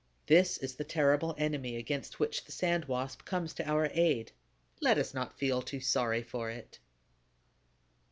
This is the terrible enemy against which the Sand Wasp comes to our aid. Let us not feel too sorry for it!